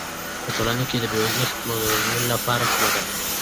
په ټولنه کې د بې وزلۍ د ختمولو لاره کومه ده؟